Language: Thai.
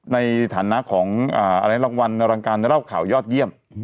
ในฐานะของรางวัลอลังการเล่าข่าวยอดเยี่ยม